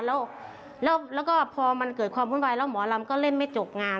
แล้วก็พอมันเกิดความวุ่นวายแล้วหมอลำก็เล่นไม่จบงาน